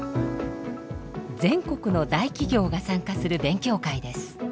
全国の大企業が参加する勉強会です。